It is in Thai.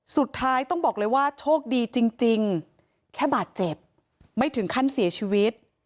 สุดท้ายต้องบอกเลยว่าโชคดีจริงแค่บาดเจ็บไม่ถึงขั้นเสียชีวิต